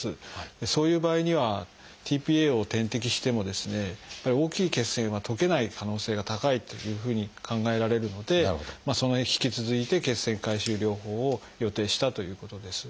そういう場合にはｔ−ＰＡを点滴してもですね大きい血栓は溶けない可能性が高いというふうに考えられるのでそのうえ引き続いて血栓回収療法を予定したということです。